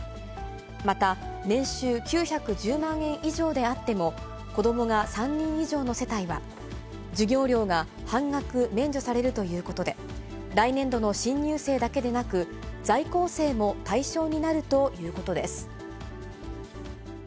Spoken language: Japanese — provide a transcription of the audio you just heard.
また年収９１０万円以上であっても、子どもが３人以上の世帯は、授業料が半額免除されるということで、来年度の新入生だけでなく、在校生も対象になるということです。